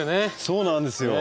そうなんですよ。